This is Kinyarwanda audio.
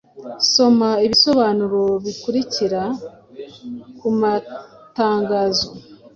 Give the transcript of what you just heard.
Soma ibisobanuro bikurikira ku matangazo